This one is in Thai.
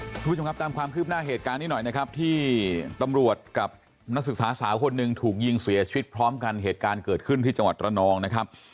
คุณผู้ชมครับตามความคืบหน้าเหตุการณ์นี้หน่อยนะครับที่ตำรวจกับนักศึกษาสาวคนหนึ่งถูกยิงเสียชีวิตพร้อมกันเหตุการณ์เกิดขึ้นที่จังหวัดระนองนะครับ